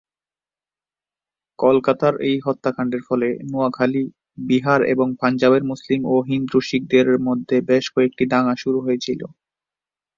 কলকাতার এই হত্যাকাণ্ডের ফলে নোয়াখালী, বিহার এবং পাঞ্জাবের মুসলিম ও হিন্দু-শিখদের মধ্যে বেশ কয়েকটি দাঙ্গা শুরু হয়েছিল।